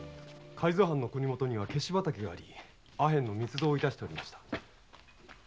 海津藩の国許にはケシ畑がありアヘン密造をしておりました。